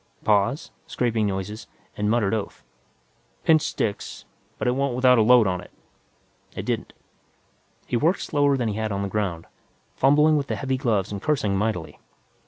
Pause, scraping noises, and a muttered oath. "Pin sticks, but it won't without a load on it." It didn't. He worked slower than he had on the ground, fumbling with the heavy gloves and cursing mightily.